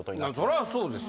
そらそうですよ。